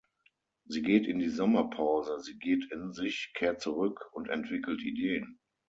Sie geht in die Sommerpause, sie geht in sich, kehrt zurück und entwickelt Ideen.